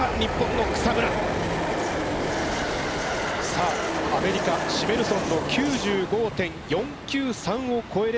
さあアメリカシメルソンの９５．４９３をこえれば優勝。